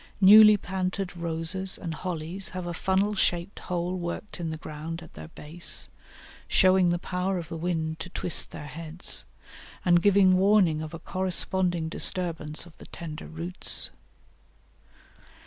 Newly planted roses and hollies have a funnel shaped hole worked in the ground at their base, showing the power of the wind to twist their heads, and giving warning of a corresponding disturbance of the tender roots.